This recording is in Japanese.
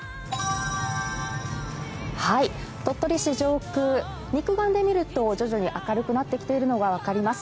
鳥取市上空、肉眼で見ると徐々に明るくなってきているのが分かります。